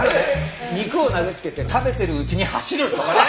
肉を投げつけて食べてるうちに走るとかね。